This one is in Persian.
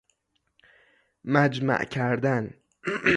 مجمع کردن